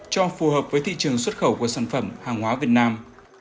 cho phù hợp với thị trường xuất khẩu của sản phẩm hàng hóa việt nam